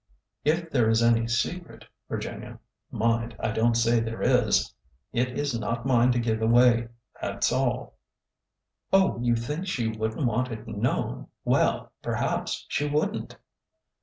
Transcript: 'Hf there is any secret, Vir ginia, — mind, I don't say there is, — it is not mine to give away. That 's all." '' Oh, you think she would n't want it known. Well,— perhaps she would n't